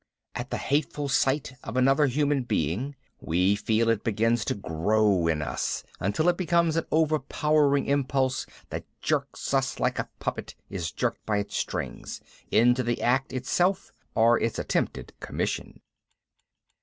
At the hateful sight of another human being, we feel it begins to grow in us until it becomes an overpowering impulse that jerks us, like a puppet is jerked by its strings, into the act itself or its attempted commission.